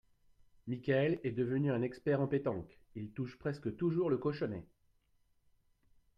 Michaël est devenu un expert en pétanque, il touche presque toujours le cochonnet